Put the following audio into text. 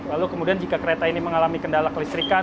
lalu kemudian jika kereta ini mengalami kendalaan